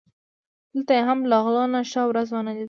دلته یې هم له غلو نه ښه ورځ و نه لیده.